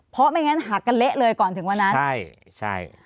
เพราะไม่งั้นหักกันเละเลยก่อนถึงวันนั้นใช่ใช่